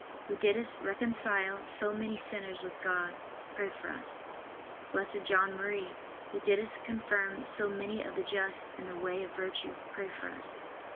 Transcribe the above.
who didst reconcile so many sinners with God, pray for us. B. J. M., who didst confirm so many of the just in the way of virtue, pray for us.